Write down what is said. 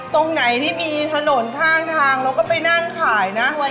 ตรงไหนที่มีถนนข้างทางเราก็ไปนั่งขายนะ